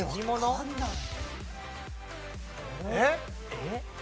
えっ！？